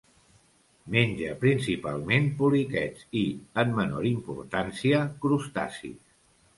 Menja principalment poliquets i, en menor importància, crustacis.